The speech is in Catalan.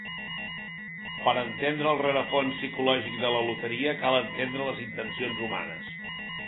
Per entendre el rerefons psicològic de la loteria cal entendre les intencions humanes.